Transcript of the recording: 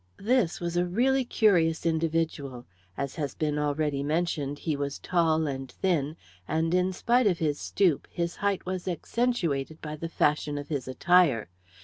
This was a really curious individual. As has been already mentioned, he was tall and thin, and, in spite of his stoop, his height was accentuated by the fashion of his attire.